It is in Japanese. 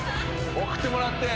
送ってもらって。